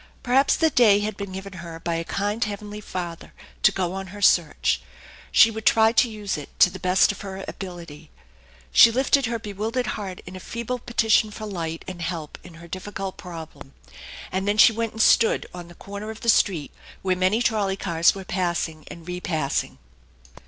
Perhaps the day had been given her by a kind heavenly Father to go on her search. She would try to use it to the best of her ability. She lifted her bewildered heart in a feeble petition for light and help in her difficult problem, and then she went and stood on the corner of the street where many trolley cars were passing and repassing.